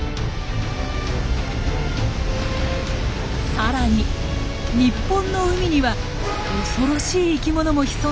さらに日本の海には恐ろしい生きものも潜んでいました。